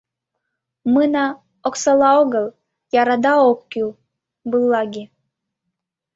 Мына, оксала огыл, ярада ок кӱл, быллаги...